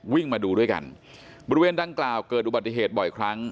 วิ่งมาดูด้วยกันบริเวณดังกล่าวเกิดอุบัติเหตุบ่อยครั้ง